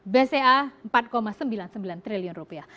bca empat sembilan puluh sembilan triliun rupiah